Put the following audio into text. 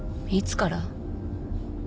いつから？